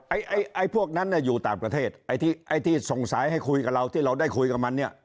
ไอ้ไอ้พวกนั้นอยู่ต่างประเทศไอ้ที่ไอ้ที่ส่งสายให้คุยกับเราที่เราได้คุยกับมันเนี่ย